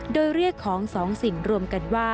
โดยเรียกของสองสิ่งรวมกันว่า